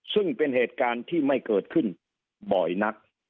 ซึ่งเป็นเหตุการณ์ที่ไม่เกิดขึ้นบ่อยนัก